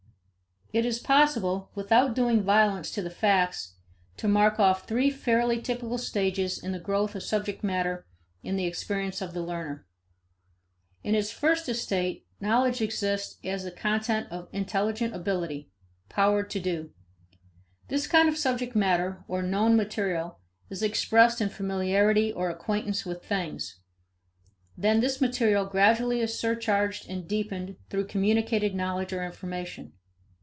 It is possible, without doing violence to the facts, to mark off three fairly typical stages in the growth of subject matter in the experience of the learner. In its first estate, knowledge exists as the content of intelligent ability power to do. This kind of subject matter, or known material, is expressed in familiarity or acquaintance with things. Then this material gradually is surcharged and deepened through communicated knowledge or information.